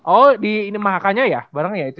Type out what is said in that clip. oh di mahakanya ya barengnya ya